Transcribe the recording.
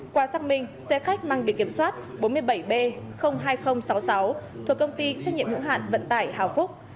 qua xác minh xe khách mang bị kiểm soát bốn mươi bảy b hai nghìn sáu mươi sáu thuộc công ty trách nhiệm hữu hạn vận tải hào phúc